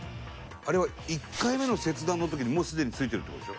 あれは１回目の切断の時にもうすでに付いてるって事でしょ？